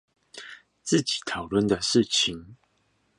自己討論的事情